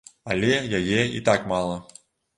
Але яе і так мала.